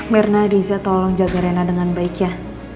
mirna diza tolong jaga rena dengan baik ya